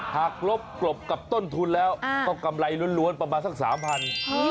กรบกลบกับต้นทุนแล้วก็กำไรล้วนประมาณสัก๓๐๐บาท